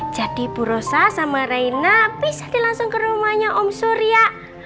jadi bu rosa sama reina bisa dilangsung ke rumahnya om surya